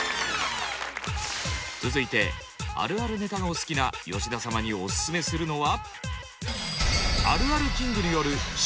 続いてあるあるネタがお好きな吉田様にオススメするのは。